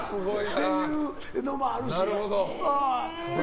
っていうのもあるし。